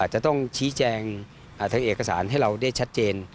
จะต้องชี้แจงทางเอกสารให้เราได้ชัดเจน